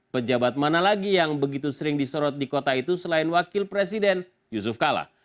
pejabat mana lagi yang begitu sering disorot di kota itu selain wakil presiden yusuf kala